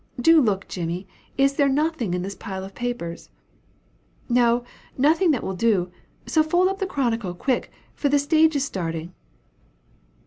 Do look, Jimmy! is there nothing in this pile of papers?" "No, nothing that will do so fold up the Chronicle, quick, for the stage is starting."